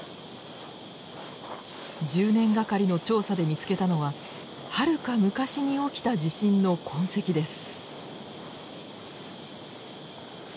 １０年掛かりの調査で見つけたのははるか昔に起きた地震の痕跡です。